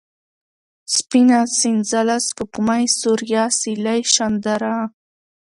سپينه ، سنځله ، سپوږمۍ ، سوریا ، سېلۍ ، شانداره